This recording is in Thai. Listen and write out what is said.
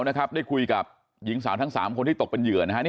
นะครับได้คุยกับหญิงสาวทั้ง๓คนที่ตกเป็นเหยื่อนะฮะ